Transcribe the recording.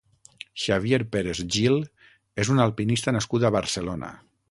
Xavier Pérez Gil és un alpinista nascut a Barcelona.